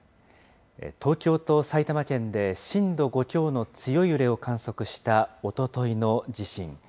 東京と埼玉県で、震度５強の強い揺れを観測したおとといの地震。